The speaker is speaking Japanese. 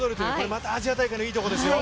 またアジア大会のいいところです。